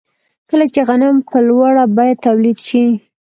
کله چې غنم په لوړه بیه تولید شي